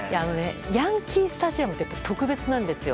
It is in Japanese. ヤンキー・スタジアムって特別なんですよ。